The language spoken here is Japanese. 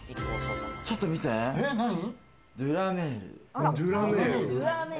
ちょっと見て、ドゥ・ラ・メール。